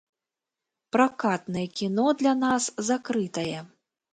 Пракатнае кіно для нас закрытае.